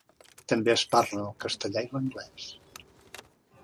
També es parlen el castellà i l'anglès.